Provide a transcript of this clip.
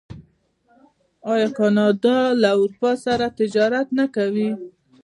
آیا کاناډا له اروپا سره تجارت نه کوي؟